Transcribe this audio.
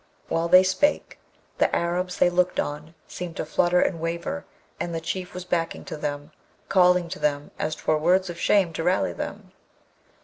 While they spake the Arabs they looked on seemed to flutter and waver, and the Chief was backing to them, calling to them as 'twere words of shame to rally them.